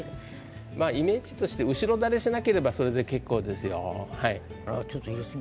イメージとして後ろ垂れしなければ結構ですよ。